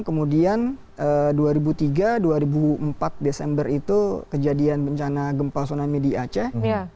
kemudian dua ribu tiga dua ribu empat desember itu kejadian bencana gempa tsunami di aceh